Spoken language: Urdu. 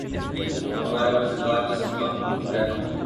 ہمارا مزیدار قسم کا خمیر ہے۔